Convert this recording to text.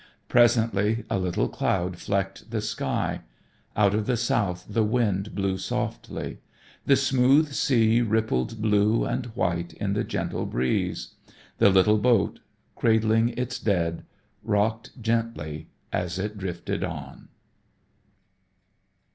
Presently a little cloud flecked the sky. Out of the south the wind blew softly. The smooth sea rippled blue and white in the gentle breeze. The little boat, cradling its dead, rocked gently as it drifted on.